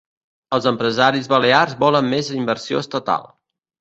Els empresaris balears volen més inversió estatal.